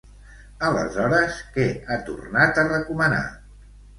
Aleshores, què ha tornat a recomanar?